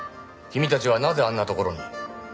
君たちはなぜあんな所に？